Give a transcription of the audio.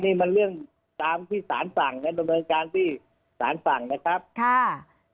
นี่มันเรื่องตามที่สารฝั่งนะครับ